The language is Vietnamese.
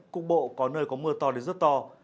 cục bộ có nơi có mưa to đến rất to